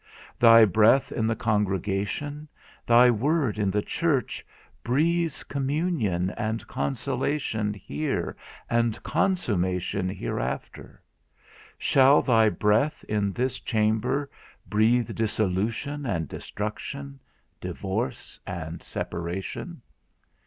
Thy breath in the congregation, thy word in the church, breathes communion and consolation here, and consummation hereafter; shall thy breath in this chamber breathe dissolution and destruction, divorce and separation?